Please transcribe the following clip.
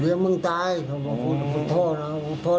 เหลือมึงตายพูดโทษนะ